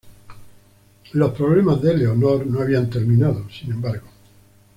Los problemas de Leonor no habían terminado, sin embargo.